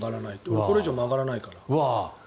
俺これ以上曲がらないから。